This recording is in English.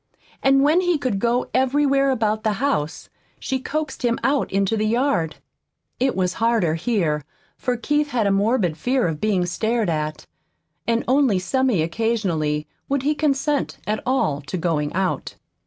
And when he could go everywhere about the house she coaxed him out into the yard. It was harder here, for Keith had a morbid fear of being stared at. And only semi occasionally would he consent at all to going out.